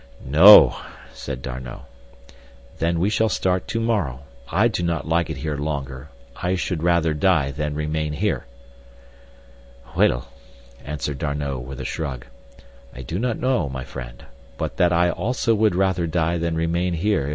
"No," said D'Arnot. "Then we shall start to morrow. I do not like it here longer. I should rather die than remain here." "Well," answered D'Arnot, with a shrug, "I do not know, my friend, but that I also would rather die than remain here.